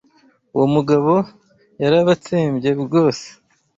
Uwo mugabo yarabatsembye rwose.